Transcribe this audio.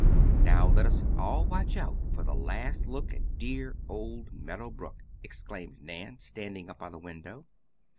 "Now, let us all watch out for the last look at dear old Meadow Brook," exclaimed Nan, standing up by the window.